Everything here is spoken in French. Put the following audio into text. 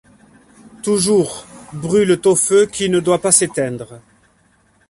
Toujours, brûlent au feu qui ne doit pas s’éteindre ;